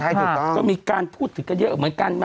ถูกต้องก็มีการพูดถึงกันเยอะเหมือนกันนะ